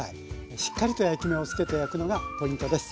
しっかりと焼き目をつけて焼くのがポイントです。